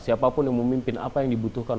siapapun yang memimpin apa yang dibutuhkan